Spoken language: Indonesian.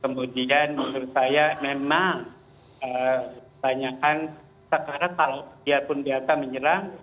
kemudian menurut saya memang banyakan sekarang kalau biarpun delta menyerang